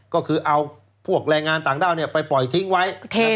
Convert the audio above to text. ก็คือเอาพวกแรงงานต่างด้าวไปปล่อยทิ้งไว้